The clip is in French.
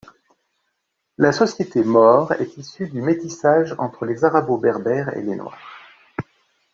La société maure est issue du métissage entre les Arabo-berbères et les Noirs.